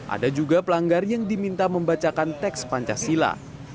ada juga pelanggar yang diminta membacakan teks pancasila